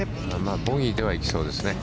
ボギーではいきそうですね。